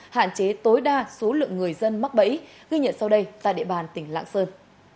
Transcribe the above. hạn chế tối đa số lượng người dân mắc bẫy ghi nhận sau đây tại địa bàn tỉnh lạng sơn